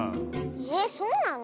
えっそうなの？